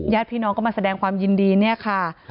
ญาติพี่น้องก็มาแสดงความยินดีเนี่ยค่ะ